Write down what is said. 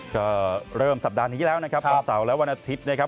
ก็เริ่มสัปดาห์นี้แล้วนะครับวันเสาร์และวันอาทิตย์นะครับ